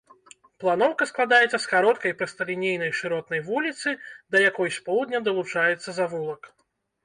Планоўка складаецца з кароткай прасталінейнай шыротнай вуліцы, да якой з поўдня далучаецца завулак.